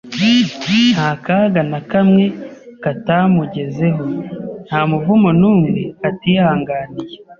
Nta kaga na kamwe katamugezeho, nta muvumo n’umwe atihanganiye,